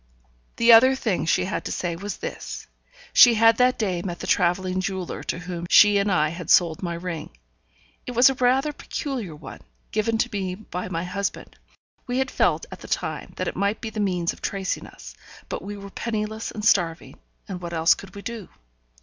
The other thing she had to say was this: she had that day met the travelling jeweller to whom she and I had sold my ring. It was rather a peculiar one, given to me by my husband; we had felt at the time that it might be the means of tracing us, but we were penniless and starving, and what else could we do?